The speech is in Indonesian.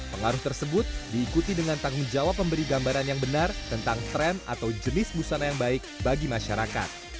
pengaruh tersebut diikuti dengan tanggung jawab memberi gambaran yang benar tentang tren atau jenis busana yang baik bagi masyarakat